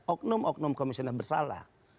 oknum oknum komisioner bersalah